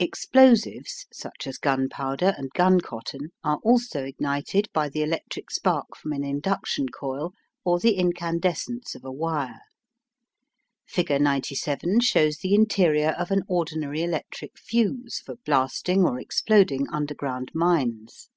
Explosives, such as gunpowder and guncotton, are also ignited by the electric spark from an induction coil or the incandescence of a wire. Figure 97 shows the interior of an ordinary electric fuse for blasting or exploding underground mines.